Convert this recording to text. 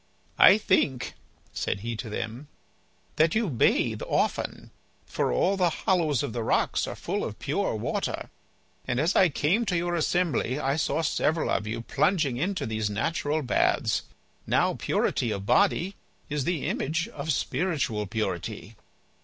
"I think," said he to them, "that you bathe often, for all the hollows of the rocks are full of pure water, and as I came to your assembly I saw several of you plunging into these natural baths. Now purity of body is the image of spiritual purity."